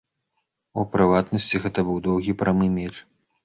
У прыватнасці, гэта быў доўгі прамы меч.